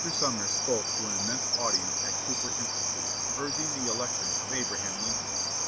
Sumner spoke to an immense audience at Cooper Institute, urging the election of Abraham Lincoln.